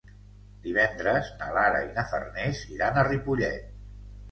Divendres na Lara i na Farners iran a Ripollet.